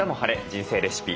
人生レシピ」。